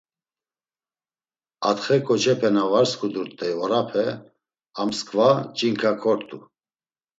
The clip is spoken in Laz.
Atxe, ǩoçepe na var sǩudurt̆ey orape a msǩva ç̌inǩa kort̆u.